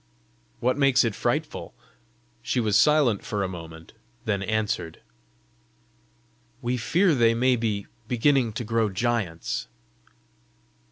"What makes it frightful?" She was silent for a moment, then answered, "We fear they may be beginning to grow giants."